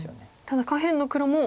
ただ下辺の黒も。